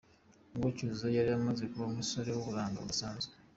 Ubwo Cyuzuzo yari amaze kuba umusore w’uburanga budasanzwe.